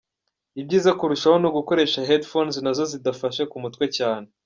Ibyiza kurushaho ni ugukoresha headphones nazo zidafashe ku matwi cyane.